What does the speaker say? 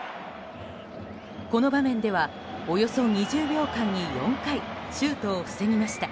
この場面ではおよそ２０秒間に４回シュートを防ぎました。